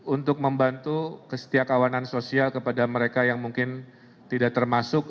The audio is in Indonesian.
untuk membantu kesetiakawanan sosial kepada mereka yang mungkin tidak termasuk